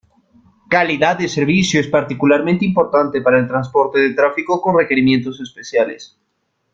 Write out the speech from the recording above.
Calidad de servicio es particularmente importante para el transporte de tráfico con requerimientos especiales.